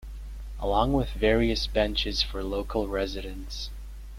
Along with various benches for local residents.